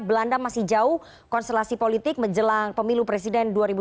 belanda masih jauh konstelasi politik menjelang pemilu presiden dua ribu dua puluh